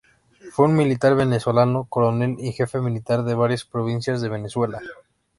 Fue un militar venezolano, coronel y jefe militar de varias provincias de Venezuela.